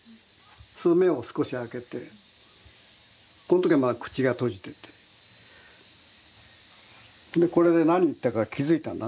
それで目を少し開けてこの時はまだ口が閉じててこれで何言ったか気付いたんだね。